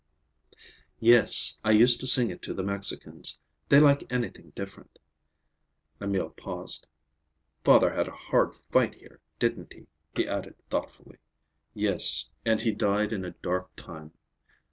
"Yes. I used to sing it to the Mexicans. They like anything different." Emil paused. "Father had a hard fight here, didn't he?" he added thoughtfully. "Yes, and he died in a dark time.